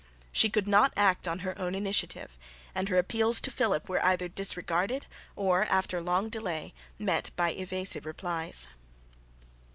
She could not act on her own initiative, and her appeals to Philip were either disregarded or after long delay met by evasive replies.